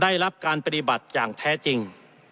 ได้รับการปฏิบัติอย่างแท้จริง